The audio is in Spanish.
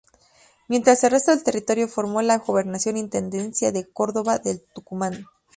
Mientras el resto del territorio formó la Gobernación Intendencia de Córdoba del Tucumán.